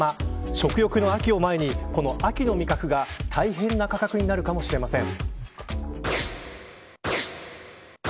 食欲の秋を前にこの秋の味覚が、大変な価格になるかもしれません。